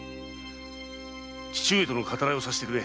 義父上との語らいをさせてくれ。